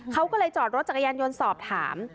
เขาก็เลยจอดรถจักรยานยนต์สอบถาม